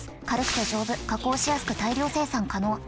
軽くて丈夫加工しやすく大量生産可能。